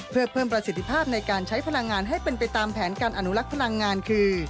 เพื่อเพิ่มประสิทธิภาพในการใช้พลังงานให้เป็นไปตามแผนการอนุลักษ์พลังงานคือ